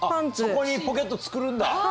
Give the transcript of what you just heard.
そこにポケット作るんだ。